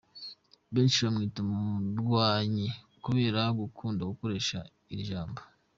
Benshi bamwita Umunywanyi kubera gukunda gukoresha iri jambo.